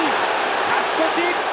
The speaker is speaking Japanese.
勝ち越し！